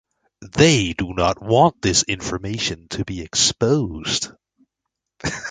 They do not want this information to be exposed.